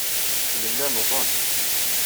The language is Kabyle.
Nella nuḍen.